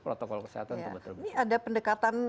protokol kesehatan ini ada pendekatan